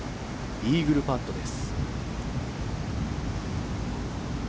イーグルパットです。